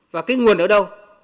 và cái nguồn ở đâu